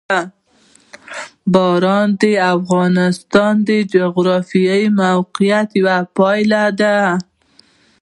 باران د افغانستان د جغرافیایي موقیعت یوه پایله ده.